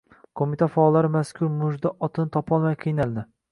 Qo‘mita faollari mazkur mujda otini topolmay qiynaldi.